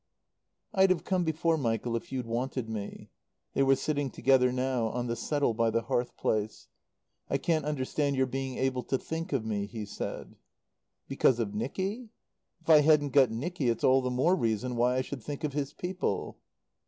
"I'd have come before, Michael, if you'd wanted me." They were sitting together now, on the settle by the hearth place. "I can't understand your being able to think of me," he said. "Because of Nicky? If I haven't got Nicky it's all the more reason why I should think of his people."